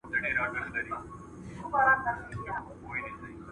که تا زما خبره منلې وای، اوس به نه خفه کېدې.